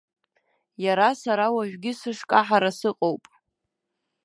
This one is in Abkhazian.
Иара сара уажәгьы сышкаҳара сыҟоуп.